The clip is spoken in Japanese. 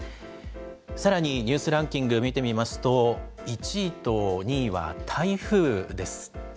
さらに、ニュースランキング見てみますと、１位と２位は台風です。